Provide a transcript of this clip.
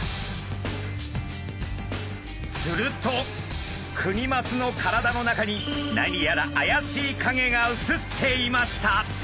するとクニマスの体の中に何やら怪しい影が写っていました！